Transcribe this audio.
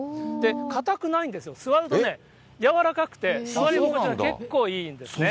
かたくないんですよ、座るとね、柔らかくて座り心地が結構いいんですね。